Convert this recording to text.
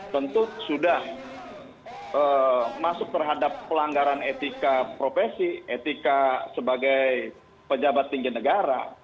tentu sudah masuk terhadap pelanggaran etika profesi etika sebagai pejabat tinggi negara